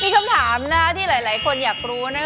มีคำถามนะที่หลายคนอยากรู้นะ